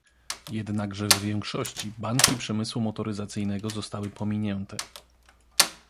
Jednakże w większości banki przemysłu motoryzacyjnego zostały pominięte